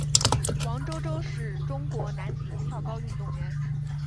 王舟舟是中国男子跳高运动员。